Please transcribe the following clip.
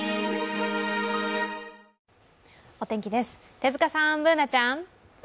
手塚さん、Ｂｏｏｎａちゃん。